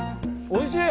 おいしい！